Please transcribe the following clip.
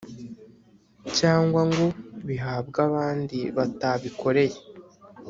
Cyangwa ngo bihabwe abandi batabikoreye